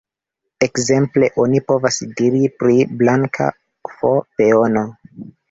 Ekzemple, oni povas diri pri "blanka f-peono".